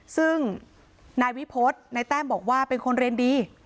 ซึ่งนายวิพฤษนายแต้มบอกว่าเป็นคนเรียนดี